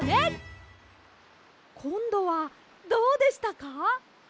こんどはどうでしたか？